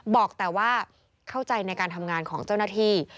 บอกแต่ว่าเข้าใจในการทำงานของเจ้าหน้าที่